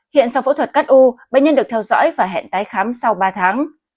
hiện sau phẫu thuật cắt u bệnh nhân được theo dõi và hẹn tái khám sau ba tháng